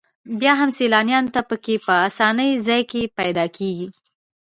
بیا هم سیلانیانو ته په کې په اسانۍ ځای نه پیدا کېږي.